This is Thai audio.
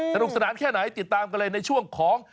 สนุกสนานแค่ไหนติดตามกันเลยในช่วงของ